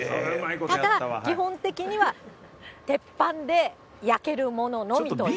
ただ、基本的には、鉄板で焼けるもののみということで。